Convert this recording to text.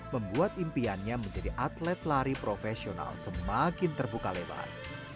membuat impiannya menjadi atlet lari profesional semakin terbuka lebar